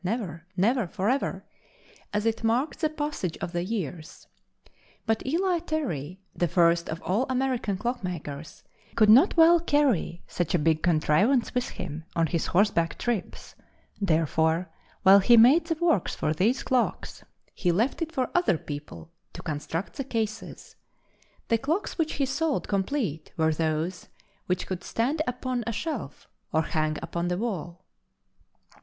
"Never!" "Never!" "Forever!" as it marked the passage of the years. But Eli Terry, the first of all American clock makers, could not well carry such a big contrivance with him on his horseback trips; therefore, while he made the works for these clocks, he left it for other people to construct the cases; the clocks which he sold complete were those which could stand upon a shelf or hang upon the wall.